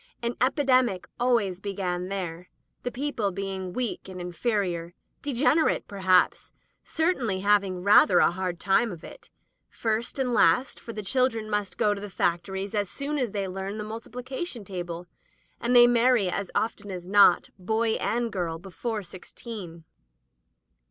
Any epidemic always began there, the people being weak and inferior — degen erate, perhaps — certainly having rather a hard time of it, first and last, for the children must go to the factories as soon as they learn the multiplication table, and they marry, as often as not, boy and girl, before sixteen.